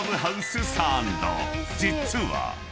［実は］